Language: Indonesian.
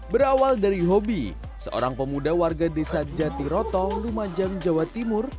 berawal dari hobi seorang pemuda warga desa jatiroto lumajang jawa timur